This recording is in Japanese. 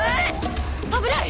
危ない！